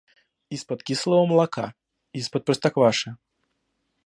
Из-под кислого молока, из-под простокваши.